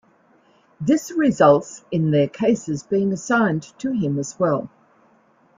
This results in their cases being assigned to him as well.